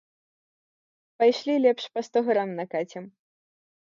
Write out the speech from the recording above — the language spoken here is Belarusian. Пайшлі лепш па сто грам накацім.